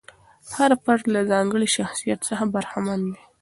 هر فرد له ځانګړي شخصیت څخه برخمن دی.